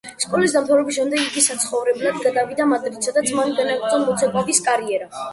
სკოლის დამთავრების შემდეგ იგი საცხოვრებლად გადავიდა მადრიდში, სადაც მან განაგრძო მოცეკვავის კარიერა.